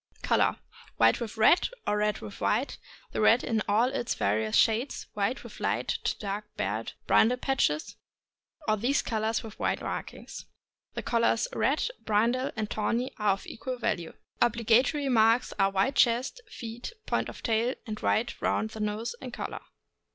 Color. — White with red, or red with white, the red in all its various shades; white with light to dark barred brindle patches, or these colors with white markings. The colors red, brindle, and tawny are of equal value. Obliga tory markings are white chest, feet, point of tail, and white round the nose and collar.